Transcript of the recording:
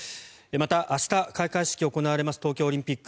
また、明日開会式が行われます東京オリンピック。